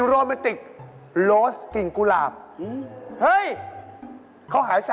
แว็ดเสลิ้นเป็นลิปจะ